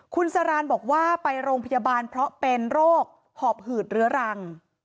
คุณสารานบอกว่าไปโรงพยาบาลเพราะเป็นโรคหอบหืดเรื้อรัง